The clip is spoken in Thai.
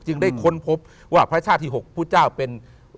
ได้ค้นพบว่าพระชาติที่๖พุทธเจ้าเป็น